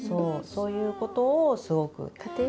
そういうことをすごく。